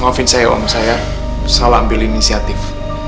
maafin saya om saya salah ambil inisiatif